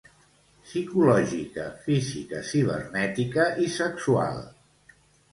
Psicològica, física, cibernètica i sexual.